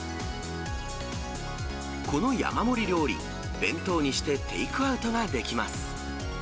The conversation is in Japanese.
この山盛り料理、弁当にしてテイクアウトができます。